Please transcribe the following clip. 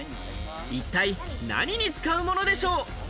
一体何に使うものでしょう？